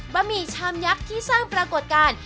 หมี่ชามยักษ์ที่สร้างปรากฏการณ์